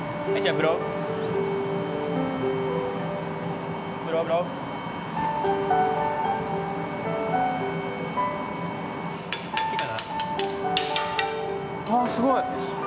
ああすごい！